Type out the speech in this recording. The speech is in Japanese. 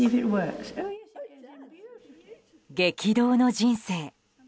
激動の人生。